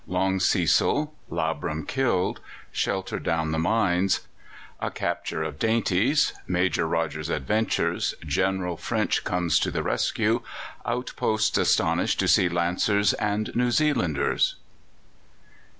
Long Cecil Labram killed Shelter down the mines A capture of dainties Major Rodger's adventures General French comes to the rescue Outposts astonished to see Lancers and New Zealanders.